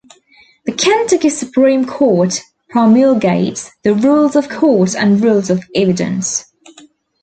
The Kentucky Supreme Court promulgates the Rules of Court and Rules of Evidence.